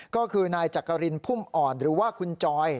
ก็คือนายจักรินพุ่มอ่อนหรือว่าคุณจอย